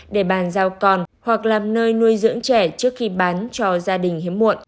để bàn giao con hoặc làm nơi nuôi dưỡng trẻ trước khi bán cho gia đình hiếm muộn